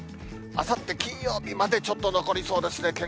あさって金曜日までちょっと残りそうですね。